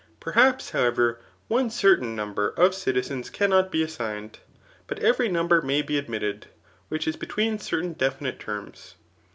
^ Perhaps, however, one certain number of citizens cannot be as^gned, but everj munber may be admitted which is between certain defi* nite terms.